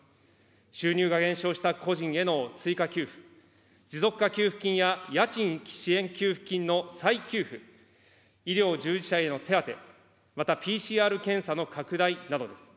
収入が減少した個人への追加給付、持続化給付金や家賃支援給付金の再給付、医療従事者への手当、またＰＣＲ検査の拡大などです。